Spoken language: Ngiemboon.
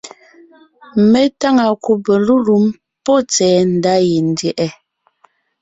Mé táŋa kùbe lélùm pɔ́ tsɛ̀ɛ ndá yendyɛ̀ʼɛ.